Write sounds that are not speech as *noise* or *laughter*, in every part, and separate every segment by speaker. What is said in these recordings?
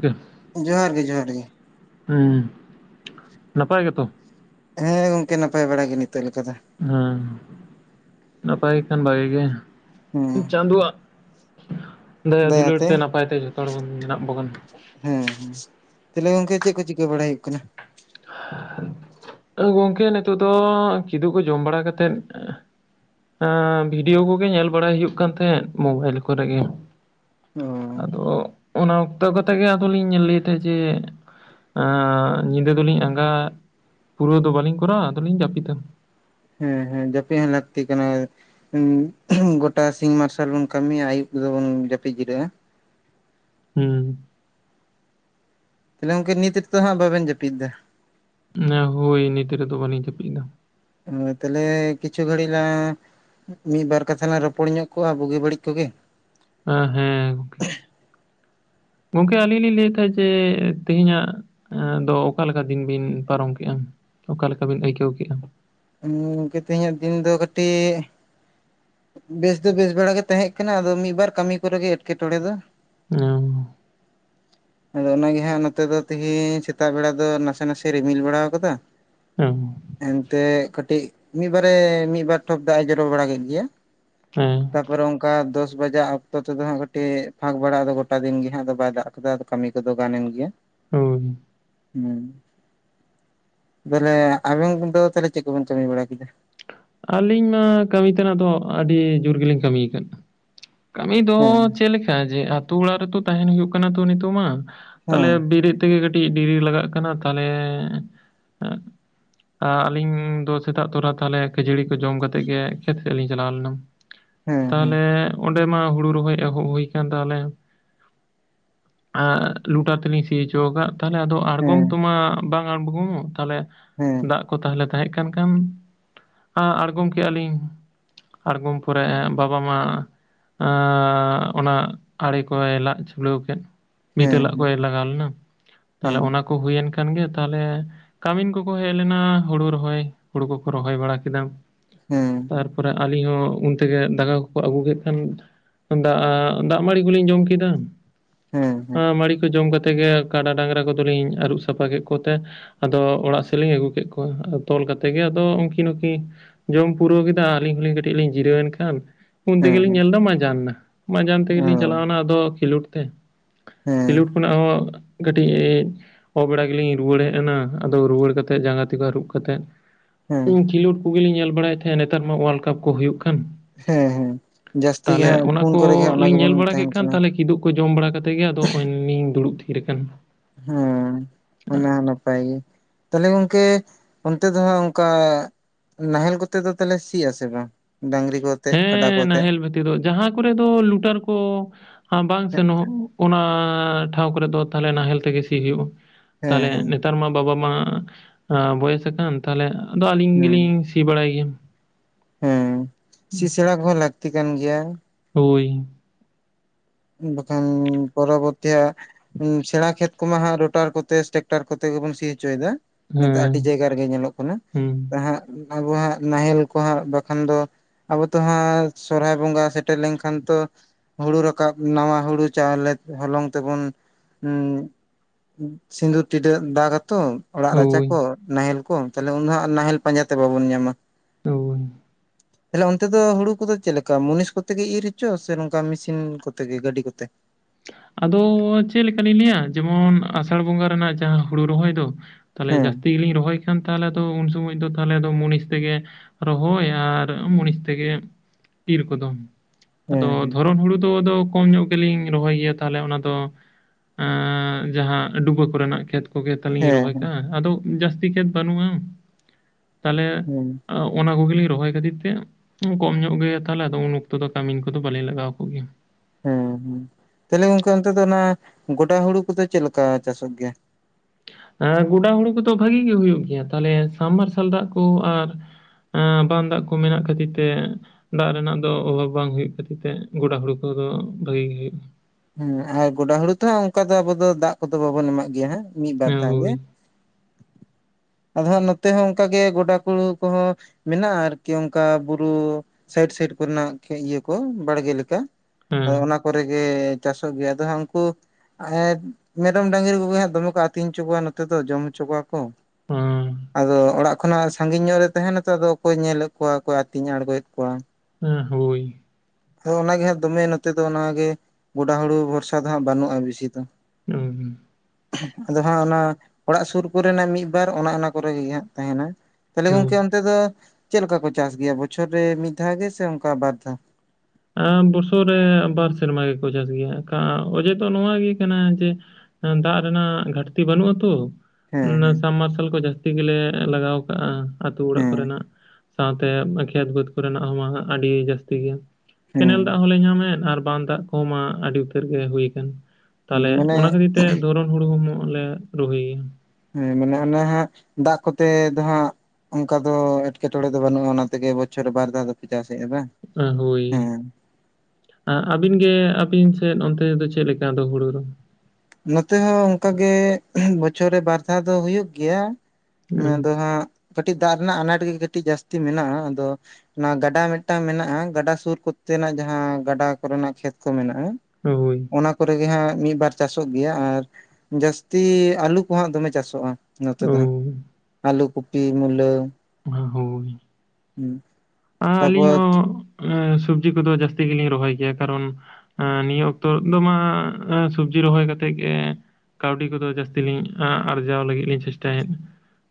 Speaker 1: ᱠᱮᱹ
Speaker 2: ᱡᱚᱦᱟᱨ ᱜᱮ ᱡᱚᱦᱟᱨ ᱜᱮ
Speaker 1: ᱦᱮᱸ ᱱᱟᱯᱟᱭ ᱜᱮᱛᱚ
Speaker 2: ᱦᱮᱸ ᱜᱚᱢᱠᱮ ᱱᱟᱯᱟᱭ ᱵᱟᱲᱟ ᱜᱮ ᱱᱤᱛᱚᱜ ᱞᱮᱠᱟ ᱫᱚ᱾
Speaker 1: ᱦᱮᱸ ᱱᱟᱯᱟᱭ ᱜᱮ ᱠᱷᱟᱱ ᱵᱷᱟᱜᱤ ᱜᱮ
Speaker 2: ᱦᱮᱸ
Speaker 1: ᱪᱟᱸᱫᱚᱣᱟᱜ ᱫᱟᱭᱟ ᱫᱩᱞᱟᱹᱲ ᱛᱮ
Speaker 2: ᱫᱟᱭᱟᱛᱮ
Speaker 1: ᱱᱟᱯᱟᱭ ᱛᱮ ᱡᱚᱛᱚ ᱦᱚᱲ ᱢᱮᱱᱟᱜ ᱵᱚᱜᱚᱱ
Speaker 2: ᱦᱮᱸ ᱦᱮᱸ ᱛᱟᱦᱚᱞᱮ ᱜᱚᱢᱠᱮ ᱪᱮᱫ ᱠᱚ ᱪᱤᱠᱟᱹ ᱵᱟᱲᱟᱭ ᱦᱩᱭᱩᱜ ᱠᱟᱱᱟ᱾
Speaker 1: ᱜᱚᱝᱠᱮ ᱱᱤᱛᱳᱜ ᱫᱚ ᱠᱤᱫᱩ ᱠᱚ ᱡᱚᱢ ᱵᱟᱲᱟᱛᱮᱫ ᱚ ᱵᱷᱤᱰᱭᱳ ᱠᱚᱜᱮ ᱧᱮᱞ ᱵᱟᱲᱟᱭ ᱦᱩᱭᱩᱜ ᱠᱟᱱ ᱛᱟᱦᱮᱸᱫ ᱢᱳᱵᱟᱭᱤᱞ ᱠᱚᱨᱮᱜ ᱜᱮ
Speaker 2: ᱚ
Speaker 1: ᱟᱫᱚ ᱚᱱᱟ ᱫᱚᱜ ᱠᱟᱛᱮ ᱜᱮ ᱟᱫᱚᱞᱤᱧ ᱞᱟᱹᱭ ᱛᱟᱦᱮᱸ ᱡᱮ ᱧᱤᱫᱟᱹ ᱫᱚᱞᱤᱧ ᱯᱩᱨᱟᱹᱣ ᱫᱚ ᱵᱟᱞᱤᱧ ᱠᱚᱨᱟᱣᱟ ᱟᱫᱚᱞᱤᱧ ᱡᱟᱹᱯᱤᱫᱟ
Speaker 2: ᱦᱮᱸ ᱦᱮᱸ ᱡᱟᱯᱤᱫ ᱦᱟᱞᱠᱛᱤ ᱠᱟᱱᱟ ᱦᱩ ᱜᱚᱴᱟ ᱥᱤᱧ ᱢᱟᱨᱥᱟᱞ ᱵᱚᱱ ᱠᱟᱹᱢᱤᱭᱟ ᱟᱹᱭᱩᱵᱫᱚ ᱵᱚᱱ ᱡᱟᱹᱯᱤᱫ ᱡᱤᱨᱟᱹᱜᱼᱟ᱾
Speaker 1: ᱦᱮᱸ
Speaker 2: ᱛᱟᱦᱚᱞᱮ ᱜᱚᱢᱠᱮ ᱱᱤᱛ ᱨᱮᱛᱚ ᱦᱟᱸᱜ ᱵᱟᱵᱮᱱ ᱡᱟᱹᱯᱤᱫ ᱫᱟ
Speaker 1: ᱦᱳᱭ ᱱᱤᱛ ᱨᱮ ᱫᱚ ᱵᱟᱞᱤᱧ ᱡᱟᱯᱤᱫ ᱫᱟ
Speaker 2: ᱚ ᱛᱟᱦᱞᱮ ᱠᱤᱷᱪᱩ ᱜᱟᱹᱲᱤᱞᱟᱝ ᱢᱤᱫ ᱵᱟᱨ ᱠᱟᱛᱷᱟ ᱞᱟᱝ ᱨᱚᱯᱚᱲ ᱧᱚᱜ ᱠᱚᱜᱼᱟ ᱵᱩᱜᱤ ᱵᱟᱹᱲᱤᱡ ᱠᱚᱜᱮ
Speaker 1: ᱦᱮᱸ ᱜᱚᱢᱠᱮ ᱜᱚᱢᱠᱮ ᱟᱹᱞᱤᱧ ᱞᱤᱧ ᱞᱟᱹᱭᱮᱫ ᱛᱟᱦᱮᱸᱫ ᱡᱮ ᱛᱮᱦᱮᱧᱟᱜ ᱮ ᱫᱚ ᱚᱠᱟᱞᱮᱠᱟ ᱫᱤᱱ ᱵᱤᱱ ᱯᱟᱨᱚᱢ ᱠᱮᱫᱜᱼᱟ ᱚᱠᱟᱞᱮᱠᱟ ᱵᱤᱱ ᱟᱹᱭᱠᱟᱹᱣ ᱠᱮᱫᱼᱟ?
Speaker 2: ᱜᱚᱢᱠᱮ ᱛᱮᱦᱮᱧᱟᱜ ᱫᱤᱱ ᱫᱚ ᱠᱟᱹᱴᱤᱡ ᱵᱮᱥ ᱫᱚ ᱵᱮᱥ ᱵᱮᱲᱟ ᱜᱮ ᱛᱟᱦᱮᱸᱜ ᱠᱟᱱᱟ ᱟᱫᱚ ᱢᱤᱫᱵᱟᱨ ᱠᱟᱹᱢᱤ ᱠᱚᱨᱮᱜ ᱜᱮ ᱮᱴᱠᱮᱴᱚᱲᱮ ᱫᱚ
Speaker 1: ᱚ
Speaker 2: ᱟᱫᱚ ᱚᱱᱟᱜᱮ ᱦᱟᱸᱜ ᱱᱚᱛᱮ ᱫᱚ ᱛᱤᱦᱤᱧ ᱥᱮᱛᱟᱜ ᱵᱮᱲᱟ ᱫᱚ ᱱᱟᱥᱮ ᱱᱟᱥᱮ ᱨᱤᱢᱤᱞ ᱵᱟᱲᱟ ᱟᱠᱟᱫᱟ᱾
Speaker 1: ᱦᱩᱸ
Speaker 2: ᱮᱱᱛᱮᱜ ᱠᱟᱹᱴᱤᱡ ᱢᱤᱫᱵᱟᱨᱮ ᱢᱤᱫᱵᱟᱨ ᱴᱚᱯ ᱫᱟᱜ ᱮ ᱡᱚᱨᱚ ᱵᱟᱲᱟ ᱠᱮᱫ ᱜᱮᱭᱟ᱾
Speaker 1: ᱦᱮᱸ
Speaker 2: ᱛᱟᱯᱚᱨᱮ ᱚᱱᱠᱟ ᱫᱚᱥ ᱵᱟᱡᱟᱜ ᱚᱠᱛᱚ ᱛᱮᱫᱚ ᱦᱟᱸᱜ ᱠᱟᱹᱴᱤᱡ ᱯᱷᱟᱸᱠ ᱵᱟᱲᱟᱜ ᱫᱚ ᱜᱚᱴᱟ ᱫᱤᱱ ᱜᱮ ᱦᱟᱸᱜ ᱟᱫᱚ ᱵᱟᱭ ᱫᱟᱜ ᱠᱟᱫᱟ᱾ ᱠᱟᱹᱢᱤ ᱠᱚᱫᱚ ᱜᱟᱱ ᱮᱱ ᱜᱮᱭᱟ᱾
Speaker 1: ᱦᱳ
Speaker 2: ᱦᱮᱸ ᱛᱟᱦᱚᱞᱮ ᱟᱵᱮᱱ ᱫᱚ ᱛᱟᱦᱚᱞᱮ ᱪᱮᱫ ᱠᱚᱵᱤᱱ ᱠᱟᱹᱢᱤ ᱵᱟᱲᱟ ᱠᱮᱫᱟ?
Speaker 1: ᱟᱹᱞᱤᱧ ᱢᱟ ᱠᱟᱹᱢᱤ ᱛᱮᱱᱟᱜ ᱫᱚ ᱟᱹᱰᱤ ᱡᱳᱨ ᱜᱮᱞᱤᱧ ᱠᱟᱹᱢᱤᱭ ᱟᱠᱟᱫ ᱠᱟᱹᱢᱤ ᱫᱚ
Speaker 2: ᱦᱮᱸ
Speaker 1: ᱪᱮᱫ ᱞᱮᱠᱟ ᱡᱮ ᱟᱛᱳ ᱚᱲᱟᱜ ᱨᱮᱛᱚ ᱛᱟᱦᱮᱱ ᱦᱩᱭᱩᱜ ᱠᱟᱱᱟ ᱛᱚ ᱱᱤᱛᱚᱜ ᱢᱟ ᱛᱟᱦᱞᱮ
Speaker 2: ᱦᱮᱸ
Speaker 1: ᱵᱮᱨᱮᱫ ᱛᱮᱜᱮ ᱠᱟᱹᱴᱤᱡ ᱰᱮᱨᱤ ᱞᱟᱜᱟᱜ ᱠᱟᱱᱟ ᱛᱟᱦᱞᱮ᱾ ᱟᱹᱞᱤᱧ ᱫᱚ ᱥᱮᱛᱟᱜ ᱛᱚᱨᱟ ᱛᱟᱦᱚᱞᱮ ᱠᱷᱟᱹᱡᱟᱹᱲᱤ ᱠᱚ ᱡᱚᱢ ᱠᱟᱛᱮᱜ ᱜᱮ ᱠᱷᱮᱛ ᱥᱮᱫ ᱞᱤᱧ ᱪᱟᱞᱟᱣ ᱞᱮᱱᱟ᱾
Speaker 2: ᱦᱮᱸ ᱦᱮᱸ
Speaker 1: ᱛᱟᱦᱚᱞᱮ ᱚᱸᱰᱮ ᱢᱟ ᱦᱩᱲᱩ ᱨᱚᱦᱚᱭ ᱮᱦᱚᱵ ᱦᱩᱭ ᱟᱠᱟᱱ, ᱛᱟᱦᱞᱮ ᱟᱸᱜ ᱞᱚᱴᱟᱨ ᱛᱮᱞᱤᱧ ᱥᱤ ᱦᱚᱪᱚ ᱟᱠᱟᱫ ᱛᱟᱦᱚᱞᱮ ᱟᱫᱚ ᱟᱲᱜᱽᱢ
Speaker 2: ᱦᱮᱸ
Speaker 1: ᱛᱚᱢᱟ ᱵᱟᱝ ᱟᱲᱜᱽᱢᱚᱜ ᱛᱟᱦᱚᱞᱮ
Speaker 2: ᱦᱮᱸ ᱦᱮᱸ
Speaker 1: ᱫᱟᱜ ᱠᱚ ᱛᱟᱦᱚᱞᱮ ᱛᱟᱦᱮᱸ ᱠᱟᱱ ᱠᱷᱟᱱ ᱟᱬᱜᱽᱢ ᱠᱮᱜᱼᱟ ᱞᱤᱧ, ᱟᱬᱜᱽᱢ ᱯᱚᱨᱮ ᱵᱟᱵᱟ ᱢᱟ ᱟᱸᱻ ᱚᱱᱟ ᱟᱲᱮ ᱠᱚᱭ ᱞᱟᱜ ᱪᱷᱩᱞᱟᱹᱣ ᱠᱮᱫ᱾ ᱢᱤᱫᱛᱤᱞᱟᱜ ᱠᱚᱭ ᱮᱨ ᱞᱟᱜᱟᱣ ᱞᱮᱱᱟ᱾ ᱛᱟᱦᱚᱞᱮ
Speaker 2: ᱦᱮᱸ
Speaker 1: ᱚᱱᱟ ᱠᱚ ᱦᱩᱭᱮᱱ ᱠᱷᱟᱱ ᱜᱮ ᱛᱟᱦᱚᱞᱮ ᱠᱟᱹᱢᱤᱱ ᱠᱚᱠᱚ ᱦᱮᱡ ᱞᱮᱱᱟ ᱦᱩᱲᱩ ᱨᱚᱦᱚᱭ᱾ ᱦᱩᱲᱩ ᱠᱚᱠᱚ ᱨᱚᱦᱚᱭ ᱵᱟᱲᱟ ᱠᱮᱫᱟᱢ
Speaker 2: ᱦᱮᱸ
Speaker 1: ᱛᱟᱨᱯᱚᱨᱮ ᱟᱹᱞᱤᱧ ᱦᱚᱸ ᱩᱱ ᱛᱮᱜᱮ ᱫᱟᱠᱟ ᱠᱚᱠᱚ ᱟᱹᱜᱩ ᱠᱮᱫ ᱠᱷᱟᱱ ᱫᱟ ᱟ ᱫᱟᱜ ᱢᱟᱹᱲᱤ ᱠᱚᱞᱤᱧ ᱡᱚᱢ ᱠᱮᱫᱟ,
Speaker 2: ᱦᱮᱸ ᱦᱮᱸ
Speaker 1: ᱢᱟᱹᱲᱤ ᱠᱚ ᱡᱚᱢ ᱠᱟᱛᱮ ᱜᱮ ᱠᱟᱰᱟ ᱰᱟᱝᱨᱟ ᱠᱚᱫᱚ ᱞᱤᱧ ᱟᱹᱨᱩᱵ ᱥᱟᱯᱷᱟ ᱠᱮᱫ ᱠᱚᱛᱮ ᱟᱫᱚ ᱚᱲᱟᱜ ᱥᱮᱫ ᱞᱤᱧ ᱟᱹᱜᱩ ᱠᱮᱫ ᱠᱚᱣᱟ᱾ ᱟᱨ ᱛᱚᱞ ᱠᱟᱛᱮ ᱜᱮ ᱟᱫᱚ ᱩᱱᱠᱤᱱ ᱦᱚᱸ ᱡᱚᱢ ᱯᱩᱨᱟᱹᱣ ᱠᱮᱫᱟ ᱟᱹᱞᱤᱧ ᱦᱚᱸᱞᱤᱧ ᱠᱟᱹᱴᱤᱡ ᱞᱤᱧ ᱡᱤᱨᱟᱹᱣᱮᱱ ᱠᱷᱟᱱ ᱩᱱ
Speaker 2: ᱦᱮᱸ
Speaker 1: ᱛᱮᱜᱮᱞᱤᱧ
Speaker 2: ᱦᱮᱸ
Speaker 1: ᱧᱮᱞ ᱮᱫᱟ ᱢᱟᱸᱡᱟᱱ ᱱᱟ ᱢᱟᱸᱡᱟᱱ
Speaker 2: ᱚ
Speaker 1: ᱛᱮᱜᱮᱞᱤᱧ ᱪᱟᱞᱟᱣᱱᱟ ᱟᱫᱚ ᱠᱷᱮᱞᱳᱰ ᱛᱮ,
Speaker 2: ᱦᱮᱸ
Speaker 1: ᱠᱷᱮᱞᱳᱰ ᱠᱷᱚᱱᱟᱹᱜ ᱦᱚᱸ ᱠᱟᱹᱴᱤᱡ ᱚ ᱵᱮᱲᱟ ᱜᱮᱞᱤᱧ ᱨᱩᱣᱟᱹᱲ ᱦᱮᱡ ᱮᱱᱟ᱾ ᱟᱫᱚ ᱨᱩᱣᱟᱹᱲ ᱠᱟᱛᱮᱫ ᱡᱟᱸᱜᱟ ᱛᱮᱠᱚ ᱟᱹᱨᱩᱵ ᱠᱟᱛᱮᱫ
Speaker 2: ᱦᱮᱸ
Speaker 1: ᱠᱷᱤᱞᱳᱰ ᱠᱚᱜᱮ ᱞᱤᱧ ᱧᱮᱞ ᱵᱟᱲᱟᱭᱮᱫ ᱛᱟᱦᱮᱸᱫ ᱱᱮᱛᱟᱨ ᱢᱟ ᱚᱣᱟᱨᱞᱰ ᱠᱟᱯ ᱠᱚ ᱦᱩᱭᱩᱜ ᱠᱟᱱ᱾
Speaker 2: ᱦᱮᱸ ᱦᱮᱸ ᱡᱟᱹᱥᱛᱤ ᱜᱮ
Speaker 1: ᱛᱟᱦᱞᱮ
Speaker 2: ᱦᱟᱸᱜ
Speaker 1: ᱚᱱᱟ
Speaker 2: ᱯᱷᱳᱱ
Speaker 1: ᱠᱚ
Speaker 2: ᱠᱚᱨᱮ ᱜᱮ ᱦᱟᱸᱜ ᱚᱱᱟ
Speaker 1: ᱞᱤᱧ
Speaker 2: ᱜᱮᱵᱚᱱ
Speaker 1: ᱧᱮᱞ ᱵᱟᱲᱟ ᱠᱮᱫ
Speaker 2: ᱛᱟᱦᱮᱱ
Speaker 1: ᱠᱷᱟᱱ
Speaker 2: ᱠᱟᱱᱟ
Speaker 1: ᱛᱟᱦᱞᱮ ᱠᱤᱫᱩᱜ ᱠᱚ ᱡᱚᱢ ᱵᱟᱲᱟ ᱠᱟᱛᱮᱫ ᱜᱮ ᱟᱫᱚ ᱱᱚᱜᱼᱚᱭ ᱞᱤᱧ ᱫᱩᱲᱩᱵ ᱛᱷᱤᱨ ᱟᱠᱟᱱᱟ᱾
Speaker 2: ᱦᱮᱸ᱾ ᱚᱱᱮ ᱦᱚᱸ ᱱᱟᱯᱟᱭ ᱜᱮ᱾ ᱛᱟᱦᱚᱞᱮ ᱜᱚᱝᱠᱮ ᱚᱱᱛᱮ ᱫᱚᱦᱟᱸᱜ ᱚᱱᱠᱟ ᱱᱟᱦᱮᱞ ᱠᱚᱛᱮ ᱫᱚ ᱛᱟᱦᱚᱞᱮ ᱥᱤᱼᱟ ᱥᱮ ᱵᱟᱝ? ᱰᱟᱝᱨᱤ ᱠᱚ
Speaker 1: ᱦᱮᱸ ᱱᱟᱦᱮᱞ ᱵᱷᱟᱹᱛᱤ ᱫᱚ, ᱡᱟᱦᱟᱸ ᱠᱚᱨᱮ ᱫᱚ ᱞᱩᱴᱟᱨ ᱠᱚ ᱵᱟᱝ
Speaker 2: ᱦᱮᱸ
Speaker 1: ᱥᱮᱱᱚᱜᱼᱟ ᱚᱱᱟ ᱴᱷᱟᱶ ᱠᱚᱨᱮ ᱫᱚ ᱛᱟᱞᱦᱮ ᱱᱟᱦᱮᱞ ᱛᱮᱜᱮ ᱥᱤ ᱦᱩᱭᱩᱜᱼᱟ ᱛᱟᱞᱦᱮ ᱱᱤᱼᱼ
Speaker 2: ᱦᱮᱸ
Speaker 1: ᱱᱮᱛᱟᱨ ᱢᱟ ᱵᱟᱵᱟ ᱢᱟ ᱵᱚᱭᱮᱥ ᱟᱠᱟᱱ ᱛᱟᱦᱚᱞᱮ ᱟᱫᱚ ᱟᱹᱞᱤᱧ
Speaker 2: ᱦᱮᱸ
Speaker 1: ᱜᱮᱞᱤᱧ ᱥᱤ ᱵᱟᱲᱟᱭ ᱜᱮᱭᱟ᱾
Speaker 2: ᱦᱮᱸ, ᱥᱤ ᱥᱮᱬᱟ ᱠᱚᱦᱚᱸ ᱞᱟᱹᱠᱛᱤ ᱠᱟᱱ ᱜᱮᱭᱟ᱾
Speaker 1: ᱦᱳᱭ᱾
Speaker 2: ᱵᱟᱠᱷᱟᱱ ᱯᱚᱨᱚᱵᱚᱨᱛᱤ ᱦᱟᱜ ᱥᱮᱬᱟ ᱠᱷᱮᱛ ᱠᱚᱢᱟ ᱦᱟᱸᱜ ᱨᱩᱴᱟᱨ ᱠᱚᱛᱮ ᱴᱨᱟᱠᱴᱟᱨ ᱠᱚᱛᱮ ᱜᱮᱵᱚᱱ ᱥᱤ ᱚᱪᱚᱭᱮᱫᱟ᱾ ᱱᱤᱛᱚᱜ
Speaker 1: ᱦᱮᱸ
Speaker 2: ᱟᱹᱰᱤ ᱡᱟᱭᱜᱟ ᱨᱮᱜᱮ ᱧᱮᱞᱚᱜ ᱠᱟᱱᱟ᱾
Speaker 1: ᱦᱩᱸ
Speaker 2: ᱦᱟᱸᱜ ᱟᱵᱚᱣᱟᱜ ᱱᱟᱦᱮᱞ ᱠᱚ ᱦᱟᱸᱜ ᱵᱟᱠᱷᱟᱱ ᱫᱚ ᱟᱵᱚ ᱛᱚ ᱦᱟᱸᱜ ᱥᱚᱨᱦᱟᱭ ᱵᱚᱸᱜᱟ ᱥᱮᱴᱮᱨ ᱞᱮᱱᱠᱷᱟᱱ ᱛᱚ ᱦᱩᱲᱩ ᱨᱟᱼᱼ ᱼᱠᱟᱵ ᱱᱟᱣᱟ ᱦᱩᱲᱩ ᱪᱟᱣᱞᱮ ᱦᱚᱞᱚᱝ ᱛᱮᱵᱚᱱ ᱥᱤᱸᱫᱩᱨ ᱴᱤᱰᱟᱹᱜ ᱫᱟᱜᱽ ᱟᱛᱚ᱾ ᱚᱲᱟᱜ ᱨᱟᱪᱟ
Speaker 1: ᱦᱳᱭ
Speaker 2: ᱠᱚ, ᱱᱟᱦᱮᱞ ᱠᱚ, ᱛᱟᱦᱞᱮ ᱩᱱ ᱫᱚ ᱱᱟᱦᱮᱞ ᱯᱟᱸᱡᱟ ᱛᱮ ᱵᱟᱵᱚᱱ ᱧᱟᱢᱟ᱾
Speaker 1: ᱚ
Speaker 2: ᱛᱟᱦᱚᱞᱮ ᱚᱱᱛᱮ ᱫᱚ ᱦᱩᱲᱩ ᱠᱚᱫᱚ ᱪᱮᱫ ᱞᱮᱠᱟ ᱢᱩᱱᱤᱥ ᱠᱚᱛᱮ ᱜᱮ ᱤᱨ ᱦᱚᱪᱚ ᱥᱮ ᱱᱚᱝᱠᱟ ᱢᱮᱥᱤᱱ ᱠᱚᱛᱮ? ᱜᱮ ᱜᱟᱹᱰᱤ ᱠᱚᱛᱮ᱾
Speaker 1: ᱟᱫᱚ ᱪᱮᱫ ᱞᱮᱠᱟᱞᱤᱧ ᱞᱟᱹᱭᱟ, ᱡᱮᱢᱚᱱ ᱟᱥᱟᱲ ᱵᱚᱸᱜᱟ ᱨᱮᱱᱟᱜ ᱡᱟᱦᱟᱸ ᱦᱩᱲᱩ ᱨᱚᱦᱚᱭ ᱫᱚ᱾ ᱛᱟᱦᱚᱞᱮ
Speaker 2: ᱦᱮᱸ
Speaker 1: ᱡᱟᱹᱥᱛᱤ ᱜᱮᱞᱤᱧ ᱨᱚᱦᱚᱭ ᱠᱷᱟᱱ ᱛᱟᱦᱚᱞᱮ ᱫᱚ ᱩᱱ ᱥᱚᱢᱚᱭ ᱫᱚ ᱛᱟᱦᱚᱞᱮ ᱫᱚ ᱢᱩᱱᱤᱥ ᱛᱮᱜᱮ᱾ ᱨᱚᱦᱚᱭ ᱟᱨ ᱢᱚᱱᱤᱥ ᱛᱮᱜᱮ ᱤᱨ ᱠᱚᱫᱚ᱾
Speaker 2: ᱦᱮᱸ
Speaker 1: ᱟᱫᱚ
Speaker 2: ᱦᱮᱸ
Speaker 1: ᱫᱷᱚᱨᱚᱱ ᱦᱩᱲᱩ ᱫᱚ ᱟᱫᱚ ᱠᱚᱢ ᱧᱚᱜ ᱜᱮᱞᱤᱧ᱾ ᱨᱚᱦᱚᱭ ᱤᱭᱟᱹ ᱛᱟᱦᱞᱮ ᱚᱱᱟ ᱫᱚ ᱮᱸᱻ ᱡᱟᱦᱟᱸ ᱰᱩᱵᱟᱹ ᱠᱚᱨᱮᱱᱟᱜ ᱠᱷᱮᱛ ᱠᱚ᱾ ᱠᱚᱜᱮ ᱛᱟᱞᱤᱧ
Speaker 2: ᱦᱮᱸ
Speaker 1: ᱨᱚᱦᱚᱭ ᱠᱟᱜᱼᱟ ᱟᱫᱚ ᱡᱟᱹᱥᱛᱤ ᱠᱷᱮᱛ ᱵᱟᱹᱱᱩᱜᱼᱟ᱾ ᱛᱟᱦᱚᱞᱮ
Speaker 2: ᱦᱮᱸ
Speaker 1: ᱚᱱᱟ ᱠᱚᱜᱮᱞᱤᱧ ᱨᱚᱦᱚᱭ ᱠᱷᱟᱹᱛᱤᱨ ᱛᱮ ᱠᱚᱢ ᱧᱚᱜ ᱜᱮᱭᱟ ᱛᱟᱦᱞᱮ ᱟᱫᱚ ᱩᱱ ᱚᱠᱛᱚ ᱫᱚ ᱠᱟᱹᱢᱤᱱ ᱠᱚᱫᱚ ᱵᱟᱞᱤᱧ ᱞᱟᱜᱟᱣ ᱠᱚᱜᱮᱭᱟ᱾
Speaker 2: ᱦᱮᱸ ᱛᱟᱦᱚᱞᱮ ᱜᱚᱝᱠᱮ ᱚᱱᱛᱮ ᱫᱚ ᱚᱱᱟ ᱜᱚᱰᱟ ᱦᱩᱲᱩ ᱠᱚᱫᱚ ᱪᱮᱜ ᱞᱮᱠᱟ ᱪᱟᱥᱚᱜ ᱜᱮᱭᱟ?
Speaker 1: ᱮ ᱜᱚᱰᱟ ᱦᱩᱲᱩ ᱠᱚᱫᱚ ᱵᱷᱟᱜᱤ ᱜᱮ ᱦᱩᱭᱩᱜ ᱜᱮᱭᱟ ᱛᱟᱦᱚᱞᱮ ᱥᱟᱢ ᱢᱟᱨᱥᱟᱞ ᱫᱟᱜ ᱠᱚ ᱟᱨ ᱮᱸ ᱵᱟᱱ ᱫᱟᱜ ᱠᱚ ᱢᱮᱱᱟᱜ ᱠᱷᱟᱹᱛᱤᱨ ᱛᱮ ᱫᱟᱜ ᱨᱮᱱᱟᱜ ᱫᱚ ᱚᱵᱷᱟᱵ ᱵᱟᱝ ᱦᱩᱭᱩᱜ ᱠᱷᱟᱹᱛᱤᱨ ᱛᱮ ᱜᱳᱰᱟ ᱦᱩᱲᱩ ᱠᱚᱫᱚ ᱵᱷᱟᱜᱤ ᱜᱮ ᱦᱩᱭᱩᱜᱼᱟ᱾
Speaker 2: ᱦᱩᱸ ᱟᱨ ᱜᱚᱰᱟ ᱦᱩᱲᱩ ᱛᱚ ᱚᱱᱠᱟ ᱫᱚ ᱟᱵᱚ ᱫᱚ ᱫᱟᱜ ᱠᱚᱫᱚ ᱵᱟᱵᱚᱱ ᱮᱢᱟᱜ ᱜᱮᱭᱟ ᱦᱮ ᱢᱤᱫ ᱵᱟᱨ
Speaker 1: ᱦᱮᱸ
Speaker 2: ᱫᱷᱟᱣ ᱜᱮ
Speaker 1: ᱦᱳᱭ
Speaker 2: *inaudible* ᱟᱫᱚ ᱦᱟᱸᱜ ᱱᱚᱛᱮ ᱦᱚᱸ ᱚᱝᱠᱟᱜᱮ ᱜᱚᱰᱟ ᱦᱩᱲᱩ ᱠᱚᱦᱚᱸ ᱢᱮᱱᱟᱜᱼᱟ ᱟᱨᱠᱤ ᱚᱱᱠᱟ ᱵᱩᱨᱩ ᱥᱟᱭᱤᱰ ᱥᱟᱭᱤᱰ ᱠᱚᱨᱮᱱᱟᱜ ᱤᱭᱟᱹ ᱠᱚ ᱵᱟᱲᱜᱮ ᱞᱮᱠᱟ
Speaker 1: ᱦᱮᱸ
Speaker 2: ᱚᱱᱟ ᱠᱚᱨᱮᱜᱮ ᱪᱟᱥ ᱜᱮᱭᱟ ᱟᱫᱚ ᱦᱟᱸᱜ ᱩᱱᱠᱩ ᱦᱮᱸ ᱢᱮᱨᱚᱢ ᱰᱟᱝᱨᱤ ᱠᱚᱜᱮ ᱦᱟᱸᱜ ᱫᱚᱢᱮ ᱠᱚ ᱟᱹᱛᱤᱧ ᱦᱚᱪᱚ ᱠᱚᱣᱟ ᱱᱚᱛᱮ ᱫᱚ ᱡᱚᱢ ᱦᱚᱪᱚ ᱠᱚᱣᱟ ᱠᱚ
Speaker 1: ᱦᱮᱸ
Speaker 2: ᱟᱫᱚ ᱚᱲᱟᱜ ᱠᱷᱚᱱᱟᱜ ᱥᱟᱺᱜᱤᱧ ᱧᱚᱜ ᱨᱮ ᱛᱟᱦᱮᱸᱱᱟ ᱛᱚ ᱟᱫᱚ ᱚᱠᱚᱭ ᱧᱮᱞᱮᱫ ᱠᱚᱣᱟ ᱚᱠᱚᱭ ᱟᱛᱤᱧᱮ ᱟᱬᱜᱚᱭᱮᱫ ᱠᱚᱣᱟ᱾
Speaker 1: *inaudible*
Speaker 2: ᱦᱚ ᱚᱱᱟᱜᱮ ᱦᱟᱸᱜ ᱫᱚᱢᱮ ᱱᱚᱛᱮ ᱫᱚ ᱚᱱᱟᱜᱮ ᱜᱚᱰᱟ ᱦᱩᱲᱩ ᱵᱷᱚᱨᱥᱟ ᱫᱚ ᱦᱟᱸᱜ ᱵᱟᱹᱱᱩᱜᱼᱟ ᱵᱤᱥᱤ ᱫᱚ᱾
Speaker 1: ᱩᱸᱻ᱾
Speaker 2: ᱟᱫᱚ ᱦᱟᱸᱜ ᱚᱱᱟ ᱚᱲᱟᱜ ᱥᱩᱨ ᱠᱚᱨᱮᱱᱟᱜ ᱢᱤᱫ ᱵᱟᱨ ᱚᱱᱟ ᱚᱱᱟ ᱠᱚᱨᱮᱜᱮ ᱦᱟᱸᱜ ᱛᱟᱦᱮᱸᱱᱟ ᱛᱟᱦᱚᱞᱮ
Speaker 1: ᱦᱳᱭ
Speaker 2: ᱜᱚᱝᱠᱮ ᱚᱱᱛᱮ ᱫᱚ ᱪᱮᱫ ᱞᱮᱠᱟ ᱠᱚ ᱪᱟᱥ ᱜᱮᱭᱟ, ᱵᱚᱪᱷᱚᱨ ᱨᱮ ᱢᱤᱫ ᱫᱷᱟᱣ ᱜᱮᱥᱮ ᱚᱱᱠᱟ ᱵᱟᱨ ᱫᱷᱟᱣ?
Speaker 1: ᱵᱚᱥᱚᱨ ᱨᱮ ᱵᱟᱨ ᱥᱮᱨᱢᱟ ᱜᱮᱠᱚ ᱪᱟᱥ ᱜᱮᱭᱟ᱾ ᱚᱡᱮ ᱫᱚ ᱱᱚᱣᱟ ᱜᱮ ᱠᱟᱱᱟ ᱡᱮ ᱫᱟᱜ ᱨᱮᱱᱟᱜ ᱜᱷᱟᱴᱛᱤ ᱵᱟᱹᱱᱩᱜᱼᱟ ᱛᱚ᱾
Speaker 2: ᱦᱮᱸ
Speaker 1: ᱚᱱᱟ
Speaker 2: ᱦᱮᱸ
Speaker 1: ᱥᱟᱵ ᱢᱟᱨᱥᱟᱞ ᱠᱚ ᱡᱟᱹᱥᱛᱤ ᱜᱮᱞᱮ ᱞᱟᱜᱟᱣ ᱠᱟᱜᱼᱟ᱾ ᱟᱛᱩ ᱚᱲᱟᱜ
Speaker 2: ᱦᱮᱸ
Speaker 1: ᱠᱚᱨᱮᱱᱟᱜ ᱥᱟᱶᱛᱮ ᱠᱷᱮᱛ ᱵᱟᱹᱫ ᱠᱚᱨᱮᱱᱟᱜ ᱦᱚᱸ ᱢᱟ ᱦᱟᱸᱜ ᱟᱹᱰᱤ ᱡᱟᱹᱥᱛᱤ ᱜᱮ
Speaker 2: ᱦᱮᱸ
Speaker 1: ᱠᱮᱱᱮᱞ ᱫᱟᱜ ᱦᱚᱸᱞᱮ ᱧᱟᱢᱮᱫ ᱟᱨ ᱵᱟᱝ ᱫᱟᱜ ᱠᱚ ᱢᱟ ᱟᱹᱰᱤ ᱩᱛᱟᱹᱨ ᱜᱮ ᱦᱩᱭ ᱠᱟᱱ᱾ ᱛᱟᱦᱚᱞᱮ
Speaker 2: ᱢᱟᱱᱮ
Speaker 1: ᱚᱱᱟ ᱠᱷᱟᱹᱛᱤᱨ ᱛᱮ ᱫᱷᱚᱨᱚᱱ ᱦᱩᱲᱩ ᱦᱚᱸᱜ ᱞᱮ ᱨᱚᱦᱚᱭ ᱜᱮᱭᱟ᱾
Speaker 2: ᱦᱮᱸᱢᱮᱱᱟᱜ ᱟᱱᱟ ᱦᱟᱸᱜ ᱫᱟᱜ ᱠᱚᱛᱮ ᱫᱚ ᱦᱟᱸᱜ ᱚᱱᱠᱟ ᱫᱚ ᱮᱴᱠᱮᱴᱚᱲᱮ ᱫᱚ ᱵᱟᱹᱱᱩᱜᱼᱟ᱾ ᱚᱱᱟ ᱛᱮᱜᱮ ᱵᱚᱪᱷᱚᱨ ᱨᱮ ᱵᱟᱨ ᱫᱷᱟᱣ ᱪᱟᱥᱮᱜᱼᱟ ᱵᱟᱝ
Speaker 1: ᱦᱮᱸ ᱦᱳᱭ
Speaker 2: ᱦᱮᱸ
Speaker 1: ᱟᱹᱵᱤᱱ ᱜᱮ ᱟᱹᱵᱤᱱ ᱥᱮᱫ ᱚᱱᱛᱮ ᱫᱚ ᱪᱮᱜ ᱞᱮᱠᱟ ᱫᱚ ᱦᱩᱲᱩ ᱫᱚ?
Speaker 2: ᱱᱚᱛᱮ ᱦᱚᱸ ᱚᱱᱠᱟᱜᱮ ᱵᱚᱪᱷᱚᱨ ᱨᱮ ᱵᱟᱨ ᱫᱷᱟᱣ ᱫᱚ ᱦᱳᱭᱩᱜ ᱜᱮᱭᱟ᱾ ᱟᱫᱚ ᱦᱟᱸᱜ ᱠᱟᱹᱴᱤᱡ ᱫᱟᱜ ᱨᱮᱱᱟᱜ ᱟᱱᱟᱴ ᱜᱮ ᱠᱟᱹᱴᱤᱡ ᱡᱟᱹᱥᱛᱤ ᱢᱮᱱᱟᱜᱼᱟ ᱟᱫᱚ ᱚᱱᱟ ᱜᱟᱰᱟ ᱢᱮᱜᱴᱟᱝ ᱢᱮᱱᱟᱜᱼᱟ ᱜᱟᱰᱟ ᱥᱩᱨ ᱠᱚᱛᱮᱱᱟᱜ ᱡᱟᱦᱟᱸ ᱜᱟᱰᱟ ᱠᱚᱨᱮᱱᱟᱜ ᱠᱷᱮᱛ ᱠᱚ ᱢᱮᱱᱟᱜᱼᱟ
Speaker 1: ᱦᱳᱭᱻ᱾
Speaker 2: ᱚᱱᱟ ᱠᱚᱨᱮ ᱜᱮ ᱦᱟᱸᱜ ᱢᱤᱜ ᱵᱟᱨ ᱪᱟᱥᱚᱜ ᱜᱮᱭᱟ ᱟᱨ ᱡᱟᱹᱥᱛᱤ ᱟᱹᱞᱩ ᱠᱚ ᱦᱟᱸᱜ ᱫᱚᱢᱮ ᱪᱟᱥᱚᱜᱼᱟ᱾ ᱱᱚᱛᱮ ᱫᱚ ᱦᱟᱸᱜ
Speaker 1: ᱚ
Speaker 2: ᱟᱞᱩ ᱠᱚᱯᱤ ᱢᱩᱞᱟᱹ?
Speaker 1: *unintelligible*
Speaker 2: *unintelligible*
Speaker 1: ᱟᱹᱞᱤᱧ
Speaker 2: ᱛᱟᱯᱚᱨ
Speaker 1: ᱦᱚᱸ ᱥᱚᱵᱡᱤ ᱠᱚᱫᱚ ᱡᱟᱹᱥᱛᱤ ᱜᱮᱞᱤᱧ ᱨᱚᱦᱚᱭ ᱜᱮᱭᱟ ᱠᱟᱨᱚᱱ ᱱᱤᱭᱟᱹ ᱚᱠᱛᱚ ᱫᱚ ᱢᱟ ᱥᱚᱵᱡᱤ ᱨᱚᱦᱚᱭ ᱠᱟᱛᱮ ᱜᱮ ᱠᱟᱹᱣᱰᱤ ᱠᱚᱫᱚ ᱡᱟᱹᱥᱛᱤ ᱞᱤᱧ ᱟᱨᱡᱟᱣ ᱞᱟᱹᱜᱤᱜ ᱞᱤᱧ ᱪᱮᱥᱴᱟᱭᱮᱫ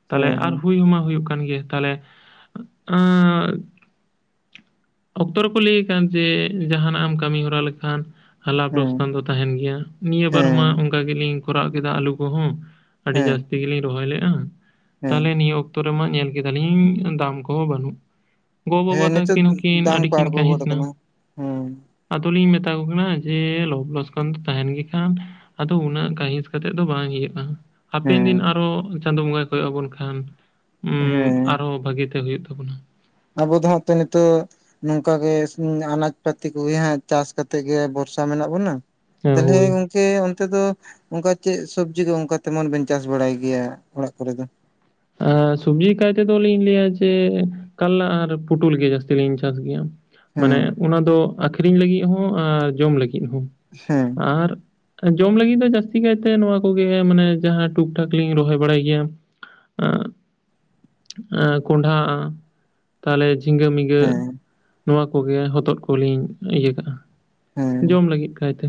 Speaker 1: ᱛᱟᱞᱞᱦᱮ ᱟᱨ
Speaker 2: ᱦᱮᱸ
Speaker 1: ᱦᱩᱭ ᱦᱚᱸᱢᱟ ᱦᱩᱭᱩᱜ ᱠᱟᱱ ᱜᱮ ᱛᱟᱞᱦᱮ ᱟᱸ ᱚᱠᱛᱚ ᱨᱮᱠᱚ ᱞᱟᱹᱭ ᱠᱟᱱ ᱡᱮ ᱡᱟᱦᱟᱸᱱᱟᱜ ᱮᱢ ᱠᱟᱹᱢᱤ ᱦᱚᱨᱟ ᱞᱮᱠᱷᱟᱱ ᱞᱟᱵᱷ
Speaker 2: ᱦᱮᱸ
Speaker 1: ᱞᱚᱥᱠᱟᱱ ᱫᱚ ᱛᱟᱦᱮᱱ ᱜᱮᱭᱟ ᱱᱤᱭᱟᱹ
Speaker 2: ᱦᱮᱸ
Speaker 1: ᱵᱟᱨᱢᱟ ᱚᱝᱠᱟ ᱜᱮᱞᱤᱧ ᱠᱚᱨᱟᱣ ᱠᱮᱫᱟ ᱟᱹᱞᱩ ᱠᱚᱦᱚᱸ
Speaker 2: ᱦᱮᱸ
Speaker 1: ᱟᱹᱰᱤ
Speaker 2: ᱦᱮᱸ
Speaker 1: ᱡᱟᱹᱥᱛᱤ ᱛᱮᱜᱮᱞᱤᱧ ᱨᱚᱦᱚᱭ ᱞᱮᱜᱼᱟ
Speaker 2: ᱦᱮᱸ
Speaker 1: ᱛᱟᱦᱚᱞᱮ ᱱᱤᱭᱟᱹ ᱚᱠᱛᱚ ᱨᱮᱢᱟ ᱧᱮᱞ ᱠᱮᱫᱟᱞᱤᱧ ᱫᱟᱢ ᱠᱚᱦᱚᱸ ᱵᱟᱹᱱᱩᱜ ᱜᱚ ᱵᱟᱵᱟ
Speaker 2: ᱦᱮᱸ ᱱᱤᱛᱚᱜ
Speaker 1: ᱛᱟᱹᱠᱤᱱ ᱦᱚᱸᱠᱤᱱ
Speaker 2: ᱫᱟᱢ
Speaker 1: ᱟᱹᱰᱤ
Speaker 2: ᱠᱚ
Speaker 1: ᱠᱤᱱ
Speaker 2: ᱟᱬᱜᱚ ᱜᱚᱫ
Speaker 1: ᱠᱟᱹᱦᱤᱥᱱᱟ
Speaker 2: ᱟᱠᱟᱱᱟ ᱦᱮᱸ
Speaker 1: ᱟᱫᱚᱞᱤᱧ ᱢᱮᱛᱟ ᱠᱚ ᱠᱟᱱᱟ ᱡᱮ ᱞᱚᱵ ᱞᱚᱥᱠᱟᱱ ᱫᱚ ᱛᱟᱦᱮᱱ ᱜᱮ ᱠᱷᱟᱱ ᱟᱫᱚ ᱩᱱᱟᱹᱜ ᱠᱟᱹᱦᱤᱥ ᱠᱟᱛᱮᱜ ᱫᱚ ᱵᱟᱝ ᱤᱭᱟᱹ ᱦᱩᱭᱩᱜ ᱠᱟᱱᱟ ᱦᱟᱯᱮᱱ ᱫᱤᱱ
Speaker 2: ᱦᱮᱸ
Speaker 1: ᱟᱨᱚ ᱪᱟᱸᱫᱳ ᱵᱚᱸᱜᱟᱭ ᱠᱚᱭᱚᱜ ᱟᱵᱚᱱ ᱠᱷᱟᱱ ᱩᱸᱢ
Speaker 2: ᱦᱮᱸ
Speaker 1: ᱟᱨᱚ ᱵᱷᱟᱹᱜᱤᱛᱮ ᱦᱳᱜ ᱛᱟᱵᱩᱱᱟ᱾
Speaker 2: ᱟᱵᱚ ᱫᱚ ᱦᱚᱜ ᱛᱮ ᱱᱤᱛᱚᱜ ᱱᱚᱝ ᱠᱟᱜᱮ ᱥᱩᱢᱩᱝ ᱟᱱᱟᱡ ᱯᱟᱹᱛᱤ ᱠᱚᱜᱮ ᱦᱟᱜ ᱪᱟᱥ ᱠᱟᱛᱮ ᱜᱮ ᱵᱷᱚᱨᱥᱟ ᱢᱮᱱᱟᱜ ᱵᱚᱱᱟ᱾
Speaker 1: ᱦᱮᱸ
Speaker 2: ᱛᱟᱞᱦᱮ
Speaker 1: ᱦᱳᱭ
Speaker 2: ᱜᱚᱝᱠᱮ ᱚᱱᱛᱮ ᱫᱚ? ᱚᱱᱠᱟ ᱪᱮᱫ ᱥᱚᱵᱡᱤ ᱠᱚ ᱚᱱᱠᱟ ᱛᱮᱢᱚᱱ ᱵᱤᱱ ᱪᱟᱥ ᱵᱟᱲᱟᱭ ᱜᱮᱭᱟ ᱚᱲᱟᱜ ᱠᱚᱨᱮ ᱫᱚ?
Speaker 1: ᱟᱨ ᱥᱚᱵᱡᱤ ᱠᱟᱭᱛᱮ ᱫᱚ ᱞᱤᱧ ᱞᱟᱹᱭᱟ ᱡᱮ ᱠᱟᱞᱞᱟ ᱟᱨ ᱯᱩᱴᱩᱞ ᱜᱮ ᱡᱟᱹᱥᱛᱤ ᱞᱤᱧ ᱪᱟᱥ ᱜᱮᱭᱟ᱾ ᱢᱟᱱᱮ
Speaker 2: ᱦᱮᱸ
Speaker 1: ᱚᱱᱟ ᱫᱚ ᱟᱠᱷᱨᱤᱧ ᱞᱟᱹᱜᱤᱜ ᱦᱚᱸ ᱟᱨ ᱡᱚᱢ ᱞᱟᱹᱜᱤᱫ ᱦᱚᱸ
Speaker 2: ᱦᱮᱸ
Speaker 1: ᱟᱨ ᱡᱚᱢ ᱞᱟᱹᱜᱤᱫ ᱫᱚ ᱡᱟᱹᱥᱛᱤ ᱠᱟᱭᱛᱮ ᱱᱚᱣᱟ ᱠᱚᱜᱮ ᱢᱟᱱᱮ ᱡᱟᱦᱟᱸ ᱴᱩᱠ ᱴᱟᱠ ᱞᱤᱧ ᱨᱚᱦᱚᱭ ᱵᱟᱲᱟᱭ ᱜᱮᱭᱟ᱾ ᱠᱚᱸᱰᱷᱟ ᱛᱟᱦᱞᱮ ᱡᱷᱤᱸᱜᱟᱹ ᱢᱤ ᱤᱭᱟ
Speaker 2: ᱦᱮᱸ
Speaker 1: ᱱᱚᱣᱟ ᱠᱚᱜᱮ ᱦᱚᱛᱚᱫ ᱠᱚᱞᱤᱧ ᱤᱭᱟᱹ ᱠᱟᱜᱼᱟ
Speaker 2: ᱦᱮᱸ
Speaker 1: ᱡᱚᱢ ᱞᱟᱹᱜᱤᱫ ᱠᱟᱭᱛᱮ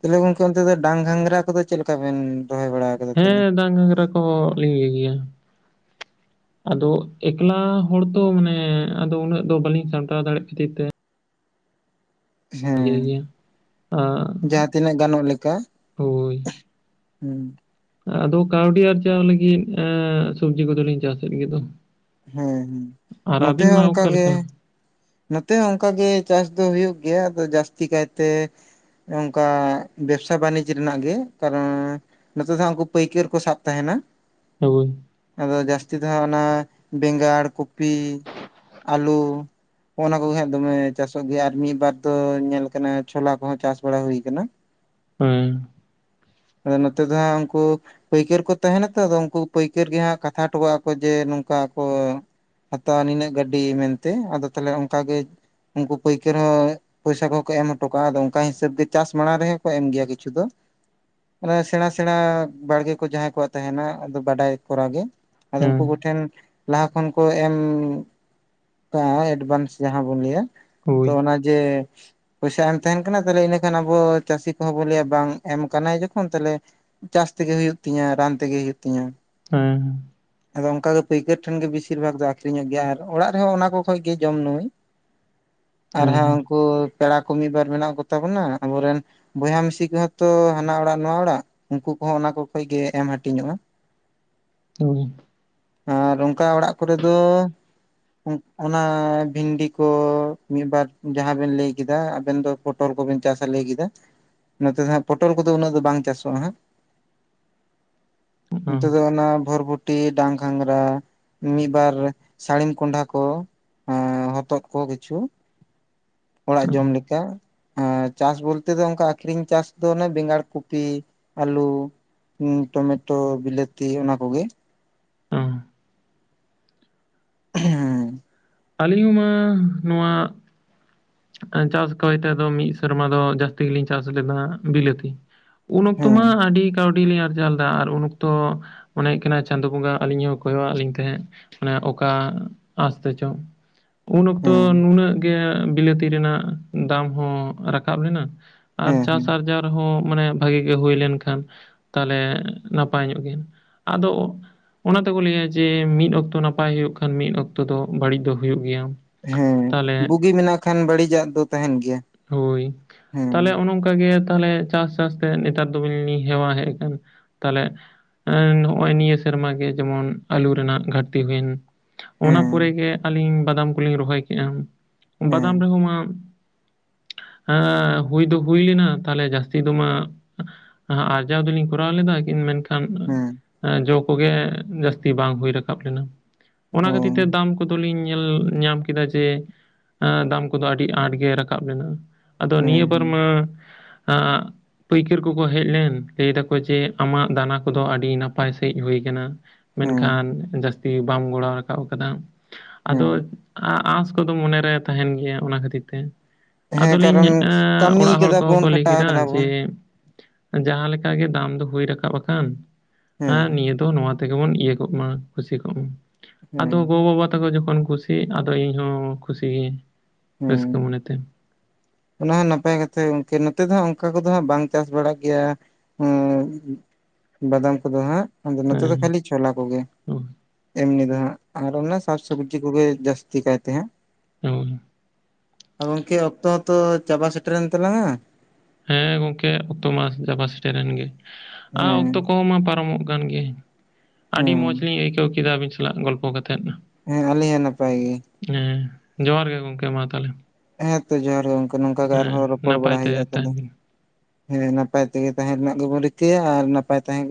Speaker 2: ᱛᱟᱦᱚᱞᱮ ᱜᱚᱝᱠᱮ ᱚᱱᱛᱮ ᱫᱚ ᱰᱟᱝ ᱜᱷᱟᱝᱨᱟ ᱠᱚᱫᱚ ᱪᱮᱫ ᱞᱮᱠᱟ ᱵᱮᱱ ᱨᱚᱦᱚᱭ ᱵᱟᱲᱟ ᱟᱠᱟᱫᱟ ᱛᱟᱦᱚᱞᱮ
Speaker 1: ᱦᱮᱸ ᱰᱟᱝ ᱜᱷᱟᱝᱨᱟ ᱠᱚᱦᱚᱸ ᱞᱤᱧ ᱤᱭᱟᱹ ᱜᱮᱭᱟ ᱟᱫᱚ ᱮᱠᱞᱟ ᱦᱚᱲ ᱛᱚ ᱢᱟᱱᱮ ᱟᱫᱚ ᱩᱱᱟᱹᱜ ᱫᱚ ᱵᱟᱹᱞᱤᱧ ᱥᱟᱢᱴᱟᱣ ᱫᱟᱲᱮᱜ ᱠᱷᱟᱹᱛᱤᱨ ᱛᱮ
Speaker 2: ᱦᱮᱸ
Speaker 1: ᱤᱭᱟᱹᱭ ᱜᱮᱭᱟ ᱟᱸ
Speaker 2: ᱡᱟᱦᱟᱸ ᱛᱤᱱᱟᱹᱜ ᱜᱟᱱᱚᱜ ᱞᱮᱠᱟ
Speaker 1: ᱦᱳᱭ
Speaker 2: ᱦᱩᱸ
Speaker 1: ᱟᱫᱚ ᱠᱟᱹᱣᱰᱤ ᱟᱨᱡᱟᱣ ᱞᱟᱹᱜᱤᱫ ᱟᱸ ᱥᱚᱵᱡᱤ ᱠᱚᱫᱚᱞᱤᱧ ᱪᱟᱥᱮᱫ ᱜᱮᱫᱚ᱾
Speaker 2: ᱦᱮᱸ ᱦᱮᱸ
Speaker 1: ᱟᱨ
Speaker 2: ᱱᱚᱛᱮ
Speaker 1: ᱟᱹᱵᱤᱱ ᱢᱟ
Speaker 2: ᱦᱚᱸ ᱚᱱᱠᱟ
Speaker 1: ᱚᱠᱟ
Speaker 2: ᱜᱮ
Speaker 1: ᱞᱮᱠᱟ
Speaker 2: ᱱᱚᱛᱮ ᱦᱚᱸ ᱚᱱᱠᱟ ᱜᱮ ᱪᱟᱥ ᱫᱚ ᱦᱩᱭᱩᱜ ᱜᱮᱭᱟ ᱡᱟᱹᱥᱛᱤ ᱠᱟᱭᱛᱮ ᱚᱝᱠᱟ ᱵᱮᱵᱽᱥᱟ ᱵᱟᱱᱤᱡᱽ ᱨᱮᱱᱟᱜ ᱜᱮ ᱠᱟᱨᱚᱱ ᱱᱚᱛᱮ ᱫᱚ ᱦᱟᱸᱜ ᱩᱱᱠᱩ ᱯᱟᱹᱭᱠᱟᱹᱨ ᱠᱚ ᱥᱟᱵ ᱛᱟᱦᱮᱸᱱᱟ᱾
Speaker 1: *unintelligible*
Speaker 2: ᱟᱫᱚ ᱡᱟᱹᱥᱛᱤ ᱫᱚ ᱦᱟᱸᱜ ᱚᱱᱟ ᱵᱮᱸᱜᱟᱲ ᱠᱚᱯᱤ ᱟᱹᱞᱩ ᱦᱟᱜᱼᱱᱟ ᱠᱚᱜᱮ ᱦᱟᱜ ᱫᱚᱢᱮ ᱪᱟᱥᱚᱜ ᱜᱮᱭᱟ ᱟᱨ ᱢᱤᱫᱵᱟᱨ ᱫᱚ ᱧᱮᱞ ᱠᱟᱱᱟ ᱪᱷᱚᱞᱟ ᱠᱚᱦᱚᱸ ᱪᱟᱥ ᱵᱟᱲᱟ ᱦᱩᱭ ᱠᱟᱱᱟ᱾ *inaudible*
Speaker 1: ᱦᱮᱸ
Speaker 2: ᱱᱚᱛᱮ ᱫᱚ ᱦᱟ ᱩᱱᱠᱩ ᱯᱟᱹᱭᱠᱟᱹᱨ ᱠᱚ ᱛᱟᱦᱮᱱᱟᱛᱚ ᱟᱫᱚ ᱩᱱᱠᱩ ᱯᱟᱹᱭᱠᱟᱹᱨ ᱜᱮ ᱦᱟᱸᱜ ᱠᱟᱛᱷᱟ ᱦᱚᱴᱚ ᱠᱟᱜᱼᱟ ᱠᱚ ᱡᱮ ᱱᱚᱝᱠᱟ ᱠᱚ᱾ ᱦᱟᱛᱟᱣᱟ ᱱᱤᱱᱟᱹᱜ ᱜᱟᱹᱰᱤ ᱢᱮᱱᱛᱮ ᱟᱫᱚ ᱛᱟᱦᱞᱮ ᱚᱱᱠᱟᱜᱮ ᱩᱱᱠᱩ ᱯᱟᱹᱭᱠᱟᱹᱨ ᱦᱚᱸ᱾ ᱯᱚᱭᱥᱟ ᱠᱚᱦᱚᱸ ᱠᱚ ᱮᱢ ᱦᱚᱴᱚ ᱠᱟᱜᱼᱟ ᱟᱫᱚ ᱚᱱᱠᱟ ᱦᱤᱥᱟᱹᱵ ᱜᱮ ᱪᱟᱥ ᱢᱟᱲᱟᱝ ᱨᱮᱦᱚᱸ ᱠᱚ ᱮᱢ ᱜᱮᱭᱟ ᱠᱤᱪᱷᱩ ᱫᱚ᱾ ᱚᱱᱟ ᱥᱮᱬᱟ ᱥᱮᱬᱟ ᱵᱟᱲᱜᱮ ᱠᱚ ᱡᱟᱦᱟᱸᱭ ᱠᱚᱣᱟᱜ ᱛᱟᱦᱮᱱᱟ ᱟᱫᱚ ᱵᱟᱰᱟᱭ ᱠᱚᱨᱟ ᱜᱮ᱾ ᱟᱫᱚ ᱩᱱᱠᱩ
Speaker 1: ᱦᱮᱸ
Speaker 2: ᱠᱚᱴᱷᱮᱱ ᱞᱟᱦᱟ ᱠᱷᱚᱱ ᱠᱚ ᱮᱢ ᱛᱟᱸᱦᱮ ᱮᱰᱵᱷᱟᱱᱥ᱾ ᱡᱟᱦᱟᱸ ᱵᱚᱱ ᱞᱟᱹᱭᱟ ᱛᱚ
Speaker 1: ᱦᱳᱭ
Speaker 2: ᱚᱱᱟ ᱡᱮ᱾ ᱯᱚᱭᱥᱟ ᱮᱢ ᱛᱟᱦᱮᱱ ᱠᱟᱱᱟ ᱛᱟᱦᱞᱮ ᱤᱱᱟᱹᱠᱷᱟᱱ ᱟᱵᱚ ᱪᱟᱹᱥᱤ ᱠᱚᱦᱚᱸ ᱵᱚᱱ ᱞᱟᱹᱭᱟ ᱵᱟᱝ ᱮᱢ ᱠᱟᱱᱟᱭ ᱡᱚᱠᱷᱚᱱ ᱛᱟᱦᱞᱮ᱾ ᱪᱟᱥ ᱛᱮᱜᱮ ᱦᱩᱭᱩᱜ ᱛᱤᱧᱟ ᱨᱟᱱ ᱛᱮᱜᱮ ᱦᱩᱭᱩᱜ ᱛᱤᱧᱟ᱾
Speaker 1: *unintelligible*
Speaker 2: ᱟᱫᱚ ᱚᱱᱠᱟᱜ ᱜᱮ ᱯᱟᱹᱭᱠᱟᱹᱨ ᱴᱷᱮᱱ ᱜᱮ ᱵᱮᱥᱤᱨ ᱵᱷᱟᱜ ᱫᱚ ᱟᱠᱷᱨᱤᱧᱚᱜ ᱜᱮᱭᱟ ᱟᱨ ᱚᱲᱟᱜ ᱨᱮᱦᱚᱸ ᱚᱱᱟ ᱠᱚ ᱠᱷᱚᱡ ᱜᱮ ᱡᱚᱢ ᱱᱟᱹᱭ᱾
Speaker 1: ᱦᱮᱸ
Speaker 2: ᱟᱨᱦᱚᱸ ᱩᱱᱠᱩ ᱯᱮᱲᱟ ᱠᱚ ᱢᱤᱫ ᱵᱟᱨ ᱢᱮᱱᱟᱜ ᱠᱚ ᱛᱟᱵᱚᱱᱟ ᱟᱵᱚᱨᱮᱱ᱾ ᱵᱚᱭᱦᱟ ᱢᱤᱥᱤ ᱠᱚᱦᱚᱸ ᱛᱚ ᱦᱟᱱᱟ ᱚᱲᱟᱜ ᱱᱚᱣᱟ ᱚᱲᱟᱜ ᱩᱱᱠᱩ ᱠᱚᱦᱚᱸ ᱚᱱᱟ ᱠᱚ ᱠᱷᱚᱡ ᱜᱮ ᱮᱢ ᱦᱟᱹᱴᱤᱧᱚᱜᱼᱟ᱾ *inaudible*
Speaker 1: *unintelligible*
Speaker 2: ᱟᱨ ᱚᱱᱠᱟ ᱚᱲᱟᱜ ᱠᱚᱨᱮ ᱫᱚ ᱚᱱᱟ ᱵᱷᱤᱱᱰᱤ᱾ ᱛᱚ ᱢᱤᱫᱵᱟᱨ ᱡᱟᱦᱟᱸ ᱵᱮᱱ ᱞᱟᱹᱭ ᱠᱮᱫᱟ ᱟᱵᱮᱱ ᱫᱚ ᱯᱚᱴᱚᱞ ᱠᱚᱵᱮᱱ ᱪᱟᱥᱟ ᱞᱟᱹᱭ ᱠᱮᱫᱟ᱾ ᱱᱚᱛᱮ ᱫᱚ ᱦᱟᱜ ᱯᱚᱴᱚᱞ ᱠᱚᱫᱚ ᱩᱱᱟᱹᱜ ᱫᱚ ᱵᱟᱝ ᱪᱟᱥᱚᱜᱼᱟ ᱦᱟᱸᱜ᱾
Speaker 1: ᱚ
Speaker 2: ᱱᱤᱛᱚᱜ ᱫᱚ ᱚᱱᱟ ᱵᱷᱳᱨᱵᱷᱳᱴ ᱴᱤ ᱰᱟᱝ ᱜᱷᱟᱝᱽᱨᱟ ᱢᱤᱫ ᱵᱟᱨ ᱥᱟᱹᱲᱤᱢ ᱠᱚᱸᱰᱷᱟ ᱠᱚ ᱦᱚᱛᱚᱜ ᱠᱚ ᱠᱤᱪᱷᱩ ᱚᱲᱟᱜ
Speaker 1: ᱚ
Speaker 2: ᱡᱚᱢ ᱞᱮᱠᱟ᱾ ᱮᱸ ᱪᱟᱥ ᱵᱚᱞᱛᱮ ᱫᱚ ᱚᱱᱠᱟ ᱟᱠᱷᱨᱤᱧ ᱪᱟᱥ ᱫᱚ ᱚᱱᱮ ᱵᱮᱸᱜᱟᱲ ᱠᱚᱯᱤ ᱟᱞᱩ᱾ ᱴᱚᱢᱮᱴᱳ ᱵᱤᱞᱟᱹᱛᱤ ᱚᱱᱟ ᱠᱚᱜᱮ᱾
Speaker 1: ᱚ
Speaker 2: *unintelligible*
Speaker 1: ᱟᱹᱞᱤᱧ ᱢᱟ ᱱᱚᱣᱟ ᱪᱟᱥ ᱠᱚᱭᱴᱟ ᱫᱚ ᱢᱤᱫ ᱥᱮᱨᱢᱟ ᱫᱚ ᱡᱟᱹᱥᱛᱤ ᱜᱮᱞᱤᱧ ᱪᱟᱥ ᱞᱮᱫᱟ ᱵᱤᱞᱟᱹᱛᱤ ᱩᱱ ᱚᱠᱛᱚ
Speaker 2: ᱦᱮᱸ
Speaker 1: ᱢᱟ ᱟᱹᱰᱤ ᱠᱟᱹᱣᱰᱤ ᱟᱹᱰᱤ ᱞᱤᱧ ᱟᱨᱡᱟᱣ ᱞᱮᱫᱟ ᱟᱨ ᱩᱱ ᱚᱠᱛᱚ ᱢᱚᱱᱮᱭᱮᱫ ᱠᱟᱱᱟ ᱪᱟᱸᱫᱳ ᱵᱚᱸᱜᱟ ᱟᱹᱞᱤᱧ ᱦᱚᱸ ᱠᱚᱭᱚᱜ ᱟᱫ ᱞᱤᱧ ᱛᱟᱦᱮᱸᱫ ᱢᱟᱱᱮ ᱚᱠᱟ ᱟᱸᱥᱛᱮ ᱪᱚᱸᱜ᱾ ᱩᱱ ᱚᱠᱛᱚ
Speaker 2: ᱦᱮᱸ
Speaker 1: ᱱᱩᱱᱟᱹᱜ ᱜᱮ ᱵᱤᱞᱟᱹᱛᱤ ᱨᱮᱱᱟᱜ ᱫᱟᱢ ᱦᱚᱸ ᱨᱟᱠᱟᱵ ᱞᱮᱱᱟ ᱟᱨ
Speaker 2: ᱦᱮᱸ ᱦᱮᱸ
Speaker 1: ᱪᱟᱥ ᱟᱨᱡᱟᱣ ᱦᱚ ᱢᱟᱱᱮ ᱵᱷᱟᱹᱜᱤ ᱜᱮ ᱦᱩᱭ ᱞᱮᱱᱠᱷᱟᱱ ᱛᱟᱦᱞᱮ ᱱᱟᱯᱟᱭ ᱧᱚᱜ ᱜᱮᱭᱟ ᱟᱫᱚ᱾ ᱚᱱᱟ ᱛᱮᱠᱚ ᱞᱟᱹᱭᱟ ᱡᱮ ᱢᱤᱫ ᱚᱠᱛᱚ ᱱᱟᱯᱟᱭ ᱦᱩᱭᱩᱜ ᱠᱷᱟᱱ ᱢᱤᱫ ᱚᱠᱛᱚ ᱫᱚ ᱵᱟᱹᱲᱤᱡ ᱫᱚ ᱦᱩᱭᱩᱜ ᱜᱮᱭᱟ᱾
Speaker 2: ᱦᱮᱸ
Speaker 1: ᱛᱟᱦᱚᱞᱮ
Speaker 2: ᱵᱩᱜᱤ ᱢᱮᱱᱟᱜ ᱠᱷᱟᱱ ᱵᱟᱹᱲᱤᱡᱟᱜ ᱫᱚ ᱛᱟᱦᱮᱱ ᱜᱮᱭᱟ᱾
Speaker 1: ᱦᱳᱭ ᱛᱟᱦᱞᱮ
Speaker 2: ᱦᱮᱸ
Speaker 1: ᱚᱱᱮ ᱚᱝᱠᱟ᱾ ᱚᱱᱠᱟ ᱜᱮ ᱛᱟᱦᱞᱮ ᱪᱟᱥ ᱪᱟᱥ ᱛᱮ ᱱᱮᱛᱟᱨ ᱫᱚᱵᱤᱱ ᱦᱮᱣᱟ ᱦᱮᱡ ᱟᱠᱟᱱ ᱛᱟᱦᱞᱮ ᱮᱸ ᱱᱚᱜᱼᱚᱭ ᱱᱤᱭᱟᱹ ᱥᱮᱨᱢᱟ ᱜᱮ ᱡᱮᱢᱚᱱ ᱟᱹᱞᱩ ᱨᱮᱱᱟᱜ ᱜᱷᱟᱴᱛᱤ ᱦᱩᱭᱮᱱ ᱚᱱᱟ ᱯᱚᱨᱮ
Speaker 2: ᱦᱮᱸ
Speaker 1: ᱜᱮ ᱟᱹᱞᱤᱧ ᱵᱟᱫᱟᱢ ᱠᱚᱞᱤᱧ ᱨᱚᱦᱚᱭ ᱠᱮᱫᱼᱟ
Speaker 2: ᱦᱮᱸ
Speaker 1: ᱵᱟᱫᱟᱢ ᱨᱮᱦᱚᱸ ᱢᱟ ᱦᱟᱸ ᱦᱩᱭ ᱫᱚ ᱦᱩᱭ ᱞᱮᱱᱟ ᱛᱟᱦᱞᱮ ᱡᱟᱹᱥᱛᱤ ᱫᱚ ᱢᱟ ᱟᱨᱡᱟᱣ ᱫᱚᱞᱤᱧ ᱠᱚᱨᱟᱣ ᱞᱮᱫᱟ ᱠᱤᱱ ᱢᱮᱱᱠᱷᱟᱱ᱾
Speaker 2: ᱦᱮᱸ
Speaker 1: *unintelligible* ᱡᱚ ᱠᱚᱜᱮ ᱡᱟᱹᱥᱛᱤ ᱵᱟᱝ ᱦᱩᱭ ᱨᱟᱠᱟᱵ ᱞᱮᱱᱟ ᱚᱱᱟ
Speaker 2: ᱚ
Speaker 1: ᱠᱷᱟᱹᱛᱤᱨ ᱛᱮ ᱫᱟᱢ ᱠᱚᱫᱚᱞᱤᱧ ᱧᱮᱞ ᱧᱟᱢ ᱠᱮᱫᱟ ᱡᱮ ᱮ ᱫᱟᱢ ᱠᱚᱫᱚ ᱟᱹᱰᱤ ᱟᱸᱴ ᱜᱮ ᱨᱟᱠᱟᱵ ᱞᱮᱱᱟ ᱟᱫᱚ
Speaker 2: ᱦᱮᱸ
Speaker 1: ᱱᱤᱭᱟᱹ ᱵᱟᱨ
Speaker 2: ᱦᱮᱸ
Speaker 1: ᱢᱟ ᱮ ᱯᱟᱹᱭᱠᱟᱹᱨ ᱠᱚᱠᱚ ᱦᱮᱡ ᱞᱮᱱ ᱞᱟᱹᱭ ᱫᱟᱠᱚ ᱡᱮ ᱟᱢᱟᱜ ᱫᱟᱱᱟ ᱠᱚᱫᱚ ᱟᱹᱰᱤ ᱱᱟᱯᱟᱭ ᱥᱟᱺᱦᱤᱡ ᱦᱩᱭ ᱟᱠᱟᱱᱟ᱾
Speaker 2: ᱦᱮᱸ
Speaker 1: ᱢᱮᱱᱠᱷᱟᱱ ᱡᱟᱹᱥᱛᱤ ᱵᱟᱢ ᱜᱚᱲᱚ ᱨᱟᱠᱟᱵ ᱠᱟᱫᱟ ᱟᱫᱚ᱾
Speaker 2: ᱦᱮᱸ
Speaker 1: ᱟᱸᱥ ᱠᱚᱫᱚ ᱢᱚᱱᱮᱨᱮ ᱛᱟᱦᱮᱱ ᱜᱮᱭᱟ ᱚᱱᱟ ᱠᱷᱟᱹᱛᱤᱨ ᱛᱮ᱾
Speaker 2: ᱦᱮᱸ
Speaker 1: ᱟᱫᱚᱞᱤᱧᱻ
Speaker 2: ᱠᱟᱨᱚᱱ ᱠᱟᱹᱢᱤ
Speaker 1: ᱚᱲᱟᱜ ᱦᱚᱲ
Speaker 2: ᱠᱟᱫᱟ
Speaker 1: ᱠᱚᱦᱚᱸ
Speaker 2: ᱵᱚᱱ
Speaker 1: ᱠᱚ ᱞᱟᱹᱭ
Speaker 2: ᱠᱷᱟᱴᱟᱣ
Speaker 1: ᱠᱮᱫᱟ
Speaker 2: ᱠᱟᱱᱟ
Speaker 1: ᱡᱮ
Speaker 2: ᱵᱚᱱ
Speaker 1: ᱡᱟᱦᱟᱸ ᱞᱮᱠᱟ ᱜᱮ ᱫᱟᱢ ᱫᱚ ᱦᱩᱭ ᱨᱟᱠᱟᱵ ᱟᱠᱟᱱ ᱦᱮ
Speaker 2: ᱦᱮᱸ
Speaker 1: ᱱᱤᱭᱟᱹ ᱛᱚ ᱱᱚᱭᱟ ᱤᱭᱟᱹ ᱠᱚᱜ ᱢᱟ ᱠᱩᱥᱤ ᱠᱚᱜ ᱢᱟ ᱟᱫᱚ
Speaker 2: ᱦᱮᱸ
Speaker 1: ᱜᱚ ᱵᱟᱵᱟ ᱛᱟᱠᱚ ᱡᱚᱠᱷᱚᱱ ᱠᱩᱥᱤ ᱠᱩᱥᱤ ᱟᱫᱚ ᱤᱧ ᱦᱚᱸ ᱠᱩᱥᱤ ᱜᱤᱭᱟᱹᱧ
Speaker 2: ᱦᱮᱸ
Speaker 1: ᱨᱟᱹᱥᱠᱟᱹ ᱢᱚᱱᱮᱛᱮ
Speaker 2: ᱚᱱᱟ ᱦᱚᱸ ᱱᱟᱯᱟᱭ ᱠᱟᱛᱷᱟ ᱜᱚᱝᱠᱮ ᱱᱚᱛᱮ ᱫᱚ ᱦᱟᱸᱜ ᱚᱱᱠᱟ ᱠᱚᱫᱚ ᱦᱟᱸᱜ ᱵᱟᱝ ᱪᱟᱥ ᱵᱟᱲᱟᱜ ᱜᱮᱭᱟ *unintelligible* ᱵᱟᱫᱟᱢ ᱠᱚᱫᱚ ᱦᱟᱸᱜ ᱟᱫᱚ ᱱᱚᱛᱮ ᱫᱚ
Speaker 1: ᱦᱮᱸ
Speaker 2: ᱠᱷᱟᱹᱞᱤ ᱪᱷᱚᱞᱟ ᱠᱚᱜᱮ ᱮᱢᱱᱤ ᱫᱚ ᱦᱟᱸᱜ ᱟᱨ ᱚᱱᱟ ᱥᱟᱠᱥᱚᱵᱽᱡᱤ ᱠᱚᱜᱮ ᱡᱟᱹᱥᱛᱤ ᱠᱟᱭᱛᱮ ᱦᱟᱸᱜ
Speaker 1: ᱦᱩᱸ
Speaker 2: ᱜᱚᱢᱠᱮ ᱚᱠᱛᱚ ᱦᱚᱸᱛᱚ ᱪᱟᱵᱟ ᱥᱮᱴᱮᱨᱮᱱ ᱛᱟᱞᱟᱝᱟ
Speaker 1: ᱦᱮᱸ ᱜᱚᱢᱠᱮ ᱚᱠᱛᱚ ᱢᱟ ᱪᱟᱵᱟ ᱥᱮᱴᱮᱨᱮᱱ ᱜᱮ ᱟᱨ
Speaker 2: ᱦᱮᱸ
Speaker 1: ᱚᱠᱛᱚ ᱠᱚᱦᱚᱸ ᱢᱟ ᱯᱟᱨᱚᱢᱚᱜ ᱠᱟᱱ ᱜᱮ ᱟᱹᱰᱤ
Speaker 2: ᱦᱮᱸ
Speaker 1: ᱢᱚᱡᱽ ᱞᱤᱧ ᱟᱹᱭᱠᱟᱹᱣ ᱠᱮᱫᱟ ᱟᱹᱵᱤᱱ ᱥᱟᱞᱟᱜ ᱜᱚᱞᱯᱷᱚ ᱠᱟᱛᱮᱫ
Speaker 2: ᱦᱮᱸ ᱟᱞᱤᱧ ᱦᱚᱸ ᱱᱟᱯᱟᱭ ᱜᱮ
Speaker 1: ᱦᱮᱸ ᱡᱚᱦᱟᱨ ᱜᱮ ᱜᱚᱢᱠᱮ ᱢᱟ ᱛᱟᱦᱚᱞᱮ
Speaker 2: ᱦᱮᱸ ᱛᱚ ᱡᱚᱦᱟᱨ ᱜᱮ ᱜᱚᱝᱠᱮ ᱱᱚᱝᱠᱟ ᱜᱮ
Speaker 1: ᱦᱮᱸ
Speaker 2: ᱟᱨᱦᱚᱸ ᱨᱚᱯᱚᱲ
Speaker 1: ᱱᱟᱯᱟᱭ
Speaker 2: ᱵᱟᱲᱟ
Speaker 1: ᱛᱮ
Speaker 2: ᱦᱩᱭᱩᱜᱼᱟ
Speaker 1: ᱛᱟᱦᱮᱱ
Speaker 2: ᱛᱟᱞᱦᱮ
Speaker 1: ᱵᱤᱱ
Speaker 2: ᱦᱮᱸ ᱱᱟᱯᱟᱭ ᱛᱮᱜᱮ ᱛᱟᱦᱮᱸ ᱨᱮᱱᱟᱜ ᱜᱮᱵᱚᱱ ᱨᱤᱠᱟᱹᱭᱟ ᱟᱨ ᱱᱟᱯᱟᱭ ᱛᱟᱦᱮᱸ ᱜᱮ